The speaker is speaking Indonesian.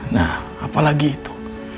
nah apalagi itu